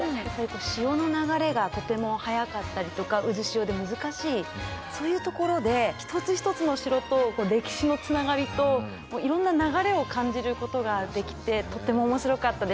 潮の流れがとても速かったりとか渦潮で難しいそういう所で一つ一つの城と歴史のつながりといろんな流れを感じることができてとても面白かったです。